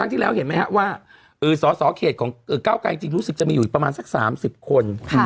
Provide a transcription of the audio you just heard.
ที่แล้วเห็นไหมครับว่าสสเขตของก้าวไกรจริงรู้สึกจะมีอยู่ประมาณสัก๓๐คน